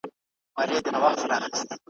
موږ به ولي د قصاب چړې ته تللای ,